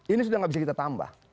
ini sudah tidak bisa kita tambah